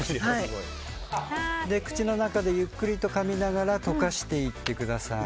口の中でゆっくりとかみながら溶かしていってください。